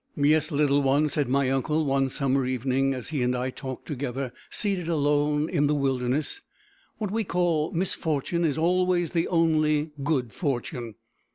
"Yes, little one," said my uncle, one summer evening, as he and I talked together, seated alone in the wilderness, "what we call misfortune is always the only good fortune.